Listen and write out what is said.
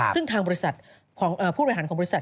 ซึ่งทางบริษัทของผู้บริหารของบริษัท